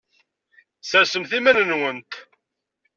Ssersemt iman-nwent.